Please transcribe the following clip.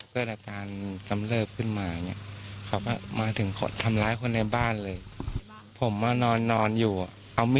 ที่โกรธก็คือทำกับแม่